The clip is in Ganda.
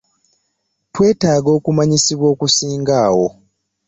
Twetaaga okumanyisibwa okusinga awo.